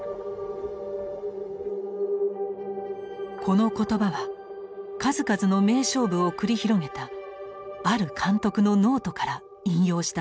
この言葉は数々の名勝負を繰り広げたある監督のノートから引用したものだ。